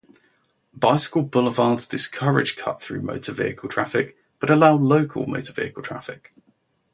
Bicycle boulevards discourage cut-through motor-vehicle traffic but allow local motor-vehicle traffic.